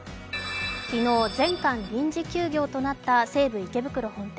昨日、全館臨時休業となった西武池袋本店。